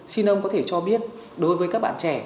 xin ông có thể cho biết đối với các bạn trẻ